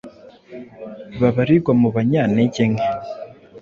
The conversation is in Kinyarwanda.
babarirwa mu banyantege nke